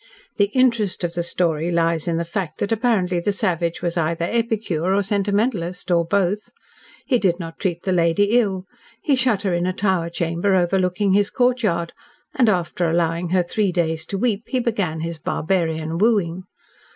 "The interest of the story lies in the fact that apparently the savage was either epicure or sentimentalist, or both. He did not treat the lady ill. He shut her in a tower chamber overlooking his courtyard, and after allowing her three days to weep, he began his barbarian wooing.